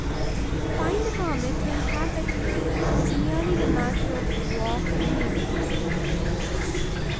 To find the hermit to inhabit it is merely the matter of a walk in the neighbourhood.